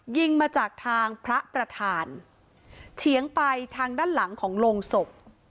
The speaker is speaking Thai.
ยิงมาจากทางพระประธานเฉียงไปทางด้านหลังของโรงศพ